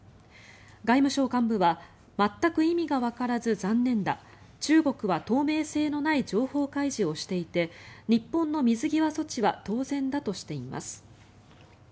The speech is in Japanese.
外務省幹部は全く意味がわからず残念だ中国は透明性のない情報開示をしていて日本の水際措置は当然だとしています。